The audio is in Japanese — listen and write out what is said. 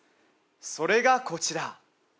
それがこちら！